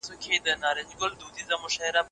نه محفل كي ګناهونه ياغي كېږي